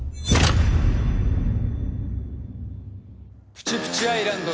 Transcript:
「プチプチアイランド」